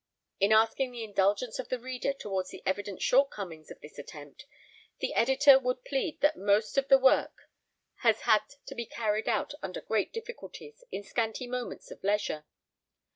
In asking the indulgence of the reader towards the evident shortcomings of this attempt, the Editor would plead that most of the work has had to be carried out under great difficulties in scanty moments of leisure.